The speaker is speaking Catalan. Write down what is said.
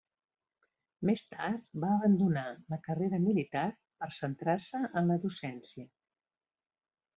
Més tard va abandonar la carrera militar per centrar-se en la docència.